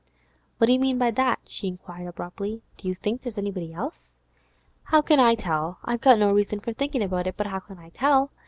'What do you mean by that?' he inquired abruptly. 'Do you think there's any one else?' 'How can I tell? I've got no reason for thinkin' it, but how can I tell?